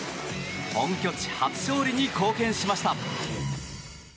本拠地初勝利に貢献しました。